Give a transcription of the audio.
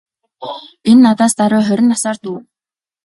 Энэ надаас даруй хорин насаар дүү.